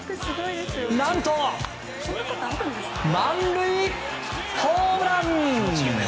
何と、満塁ホームラン！